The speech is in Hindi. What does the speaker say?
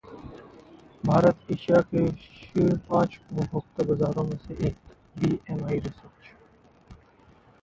भारत एशिया के शीर्ष पांच उपभोक्ता बाजारों में से एक: बीएमआई रिसर्च